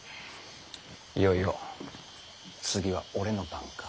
いよいよ次は俺の番か。